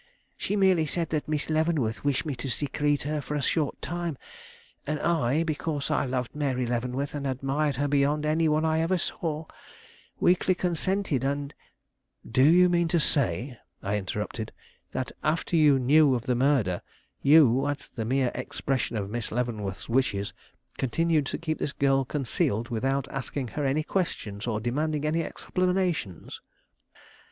She merely said that Miss Leavenworth wished me to secrete her for a short time; and I, because I loved Mary Leavenworth and admired her beyond any one I ever saw, weakly consented, and " "Do you mean to say," I interrupted, "that after you knew of the murder, you, at the mere expression of Miss Leavenworth's wishes, continued to keep this girl concealed without asking her any questions or demanding any explanations?"